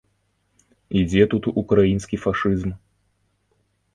І дзе тут украінскі фашызм?